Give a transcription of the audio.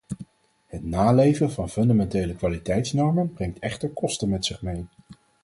Het naleven van fundamentele kwaliteitsnormen brengt echter kosten met zich mee.